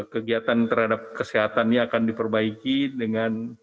kegiatan terhadap kesehatan ini akan diperbaiki dengan